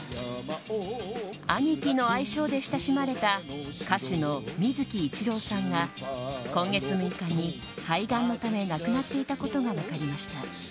アニキの愛称で親しまれた歌手の水木一郎さんが今月６日に肺がんのため亡くなっていたことが分かりました。